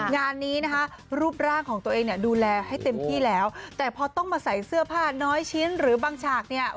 งานนี้นะคะรูปร่างของตัวเองเนี่ยดูแลให้เต็มที่แล้วแต่พอต้องมาใส่เสื้อผ้าน้อยชิ้นหรือบางฉากเนี่ย